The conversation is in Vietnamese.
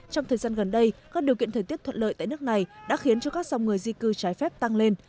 trong thời gian gần đây các điều kiện thời tiết thuận lợi tại nước này đã khiến cho các dòng người di cư trái phép tăng lên